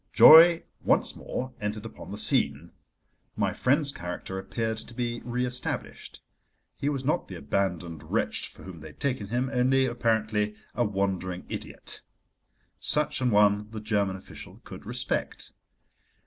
Joy once more entered upon the scene. My friend's character appeared to be re established. He was not the abandoned wretch for whom they had taken him—only, apparently, a wandering idiot. Such an one the German official could respect.